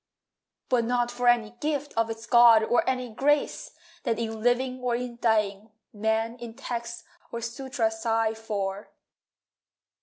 But not for any gift Of its god, or any grace That in living or in dying Men in text or sutra sigh for.